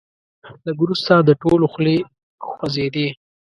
لږ وروسته د ټولو خولې خوځېدې.